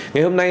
ngày hôm nay